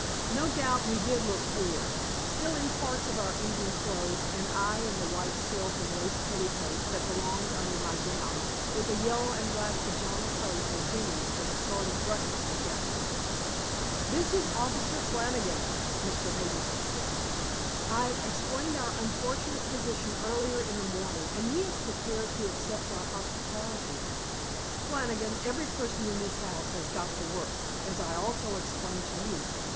No doubt we did look queer, still in parts of our evening clothes and I in the white silk and lace petticoat that belonged under my gown, with a yellow and black pajama coat of Jimmy's as a sort of breakfast jacket. "This is Officer Flannigan," Mr. Harbison said. "I explained our unfortunate position earlier in the morning, and he is prepared to accept our hospitality. Flannigan, every person in this house has got to work, as I also explained to you.